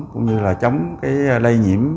cũng như là chống cái lây nhiễm